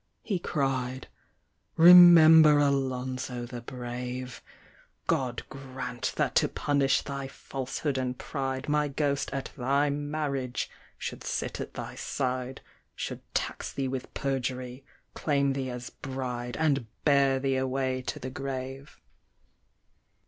he cried; "Remember Alonzo the Brave! God grant that to punish thy falsehood and pride, My ghost at thy marriage should sit at thy side, Should tax thee with perjury, claim thee as bride, And bear thee away to the grave!"